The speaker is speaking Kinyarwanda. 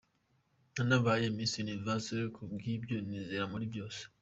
Nanabaye Miss Universe kubw’ibyo nizerera muri byose.